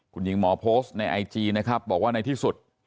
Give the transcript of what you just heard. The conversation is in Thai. คุณหญิงหมอโพสต์ในไอจีนะครับบอกว่าในที่สุด